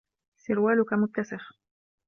سروالك متسخ.